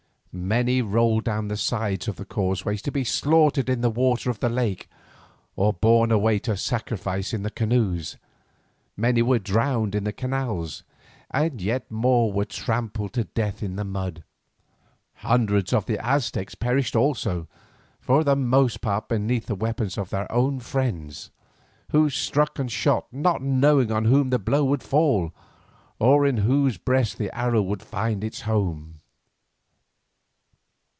Many rolled down the sides of the causeway to be slaughtered in the water of the lake, or borne away to sacrifice in the canoes, many were drowned in the canals, and yet more were trampled to death in the mud. Hundreds of the Aztecs perished also, for the most part beneath the weapons of their own friends, who struck and shot not knowing on whom the blow should fall or in whose breast the arrow would find its home.